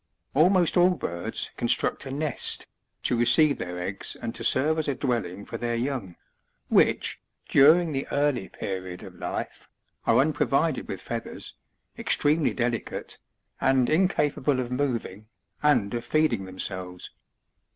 5. Almost all birds construct a nest^, to receive their eggs and to serve as a dwelling for their young, which, during the early period of life, are unprovided with feathers, extremely delicate, and incapable of moving, and of feeding themselves.